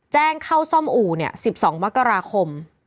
แจ้งเข้าซ่อมอู่๑๒มกราคม